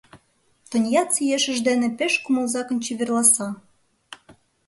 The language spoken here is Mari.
Тоньяцци ешыж дене пеш кумылзакын чеверласа.